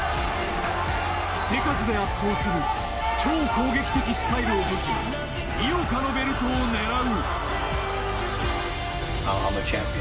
手数で圧倒する超攻撃的スタイルを武器に井岡のベルトを狙う。